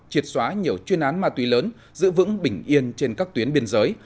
triệt xóa nhiều chuyên án ma túy lớn giữ vững bình yên trên các tuyến biên giới